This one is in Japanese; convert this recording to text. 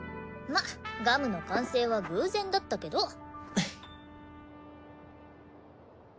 まっガムの完成は偶然だったけど。